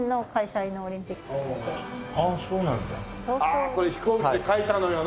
ああこれ飛行機で書いたのよね。